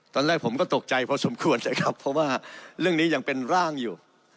ตอนแรกผมก็ตกใจพอสมควรเลยครับเพราะว่าเรื่องนี้ยังเป็นร่างอยู่